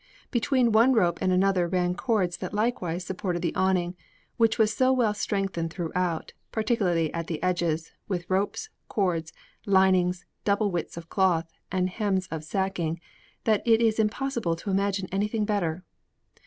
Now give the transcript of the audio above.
Between one rope and another ran cords that likewise supported the awning, which was so well strengthened throughout, particularly at the edges, with ropes, cords, linings, double widths of cloth, and hems of sacking, that it is impossible to imagine anything better.